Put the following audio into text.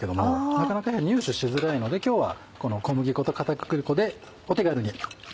なかなか入手しづらいので今日は小麦粉と片栗粉でお手軽に。